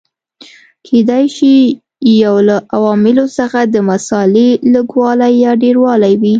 کېدای شي یو له عواملو څخه د مسالې لږوالی یا ډېروالی وي.